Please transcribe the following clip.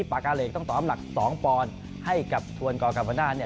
ปากกะเหรียบต้องตอบอำนัก๒ปอนด์ให้กับทวนกอร์กราฟาหน้า